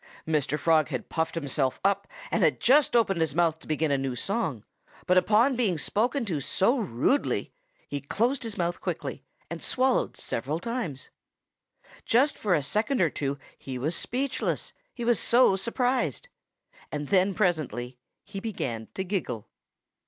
Mr. Frog had puffed himself up and had just opened his mouth to begin a new song. But upon being spoken to so rudely he closed his mouth quickly and swallowed several times. For just a second or two he was speechless, he was so surprised. And then presently he began to giggle.